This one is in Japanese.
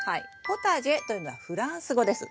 ポタジェというのはフランス語です。